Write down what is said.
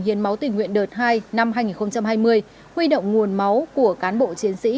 hiến máu tình nguyện đợt hai năm hai nghìn hai mươi huy động nguồn máu của cán bộ chiến sĩ